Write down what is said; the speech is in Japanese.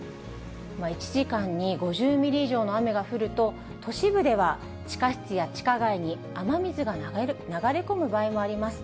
１時間に５０ミリ以上の雨が降ると、都市部では地下室や地下街に雨水が流れ込む場合もあります。